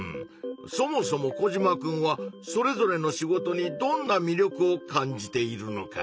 そもそもコジマくんはそれぞれの仕事にどんなみりょくを感じているのかな？